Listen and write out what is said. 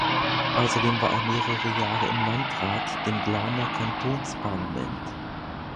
Ausserdem war er mehrere Jahre im Landrat, dem Glarner Kantonsparlament.